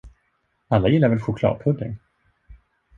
Alla gillar väl chokladpudding?